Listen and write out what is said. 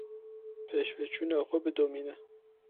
Pêşveçûna xwe bidomîne.